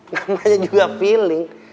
namanya juga feeling